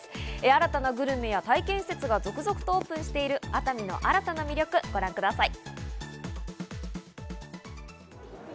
新たなグルメや体験施設が続々とオープンしている熱海の新たな魅力、ご覧ください。